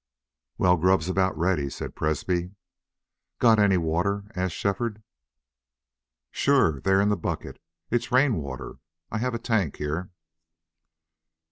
"Well, grub's about ready," said Presbrey. "Got any water?" asked Shefford. "Sure. There in the bucket. It's rain water. I have a tank here."